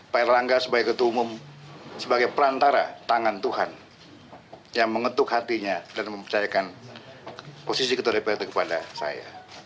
pak erlangga sebagai ketua umum sebagai perantara tangan tuhan yang mengetuk hatinya dan mempercayakan posisi ketua dprd kepada saya